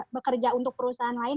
bekerja untuk perusahaan lain